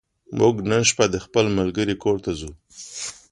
موږ به نن شپه د خپل ملګرې کور ته ځو